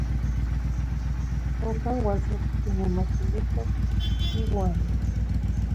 Oncah uan sequintlanamaquiltihtoc inuah.